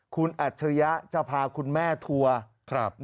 คุณอัจฉริยะจะพาคุณแม่ทัวร์